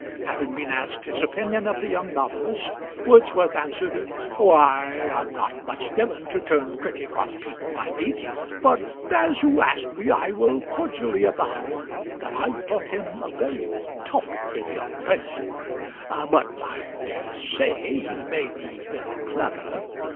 Having been asked his opinion of the young novelist, Wordsworth answered: "Why, I'm not much given to turn critic on people I meet; but, as you ask me, I will cordially avow that I thought him a very talkative young person but I dare say he may be very clever.